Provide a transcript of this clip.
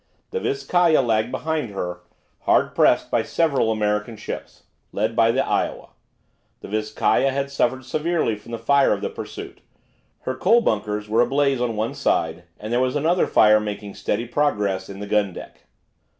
The "Vizcaya" lagged behind her, hard pressed by several American ships, led by the "Iowa." The "Vizcaya" had suffered severely from the fire of the pursuit. Her coal bunkers were ablaze on one side, and there was another fire making steady progress in the gun deck.